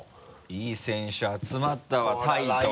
いい選手集まったわタイと。